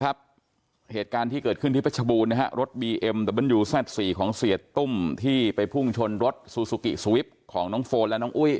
เหตุการณ์ที่เกิดขึ้นที่เพชรบูรณนะฮะรถบีเอ็มเตอร์เบิ้แซดสี่ของเสียตุ้มที่ไปพุ่งชนรถซูซูกิสวิปของน้องโฟนและน้องอุ้ย